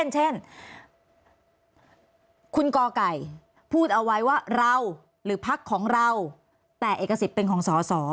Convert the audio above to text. เช่นคุณกไก่พูดเอาไว้ว่าเราหรือพักของเราแต่เอกสิทธิ์เป็นของสอสอ